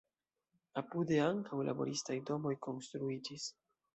Apude ankaŭ laboristaj domoj konstruiĝis.